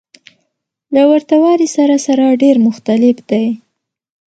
له ورته والي سره سره ډېر مختلف دى.